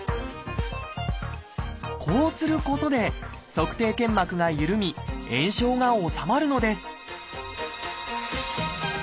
こうすることで足底腱膜がゆるみ炎症が治まるのです